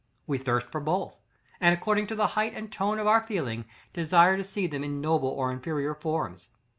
We thirst for both, and, according to the height and tone of our feeling, desire to see them in noble or inferior forms.